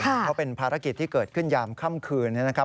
เพราะเป็นภารกิจที่เกิดขึ้นยามค่ำคืนนะครับ